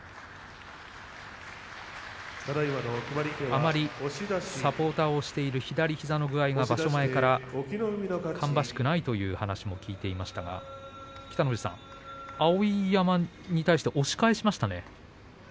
あまり、サポーターをしている左膝の具合が、場所前から芳しくないという話を聞いていましたが碧山に対して押し返しましたね。